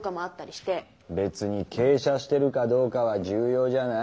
別に傾斜してるかどうかは重要じゃない。